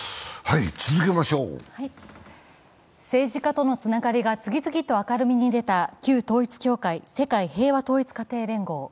政治家とのつながりが次々に明るみに出た旧統一教会、世界平和統一家庭連合。